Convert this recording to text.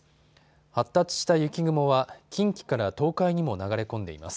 発達した雪雲は近畿から東海にも流れ込んでいます。